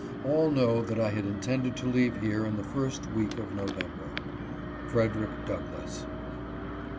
All know that I had intended to leave here in the first week of November. Frederick Douglass.